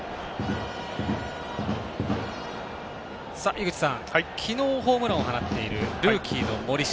井口さん、昨日ホームランを放っている、ルーキーの森下。